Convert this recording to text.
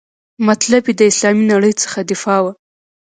مطلب یې د اسلامي نړۍ څخه دفاع وه.